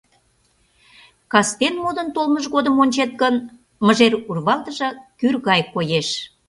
Кастене модын толмыж годым ончет гын, мыжер урвалтыже кӱр гай коеш.